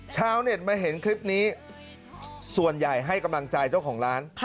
ชาวเน็ตมาเห็นคลิปนี้ส่วนใหญ่ให้กำลังใจเจ้าของร้าน